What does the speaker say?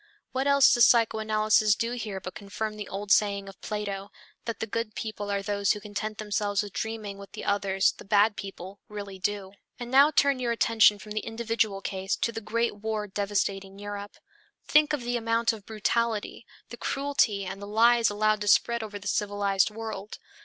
What else does psychoanalysis do here but confirm the old saying of Plato, that the good people are those who content themselves with dreaming what the others, the bad people, really do? And now turn your attention from the individual case to the great war devastating Europe. Think of the amount of brutality, the cruelty and the lies allowed to spread over the civilized world.